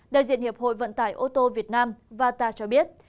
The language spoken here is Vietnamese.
đại diện hiệp hội vận tải ô tô việt nam vata cho biết